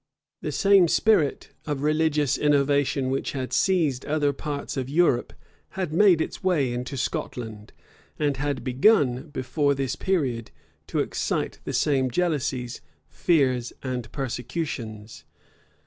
The same spirit of religious innovation which had seized other parts of Europe had made its way into Scotland, and had begun, before this period, to excite the same jealousies fears, and persecutions.